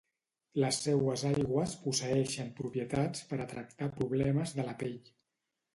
Les seues aigües posseïxen propietats per a tractar problemes de la pell.